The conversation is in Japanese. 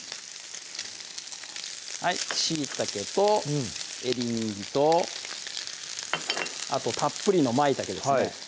しいたけとエリンギとあとたっぷりのまいたけですね